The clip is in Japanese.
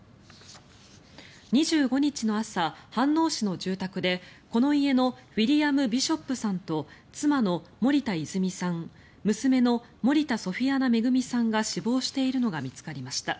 ２５日の朝、飯能市の住宅でこの家のウィリアム・ビショップさんと妻の森田泉さん娘の森田ソフィアナ恵さんが死亡しているのが見つかりました。